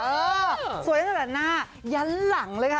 สวยตั้งแต่หน้ายั้นหลังเลยค่ะ